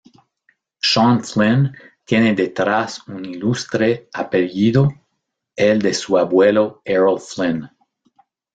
Sean Flynn tiene detrás un ilustre apellido, el de su abuelo Errol Flynn.